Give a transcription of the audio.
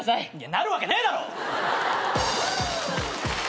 なるわけねえだろ！